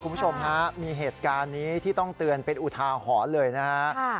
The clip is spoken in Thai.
คุณผู้ชมฮะมีเหตุการณ์นี้ที่ต้องเตือนเป็นอุทาหรณ์เลยนะฮะ